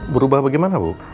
berubah bagaimana bu